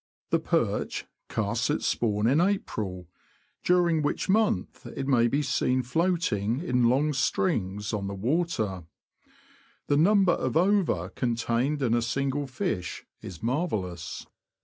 The perch casts its The Perch. spawn in April, during which month it may be seen' floating in long strings on the water. The number of ova contained in a single fish is marvellous.